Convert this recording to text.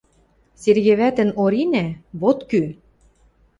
— Серге вӓтӹн Оринӓ — вот кӱ.